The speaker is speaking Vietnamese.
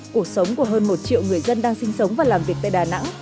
cuộc sống của hơn một triệu người dân đang sinh sống và làm việc tại đà nẵng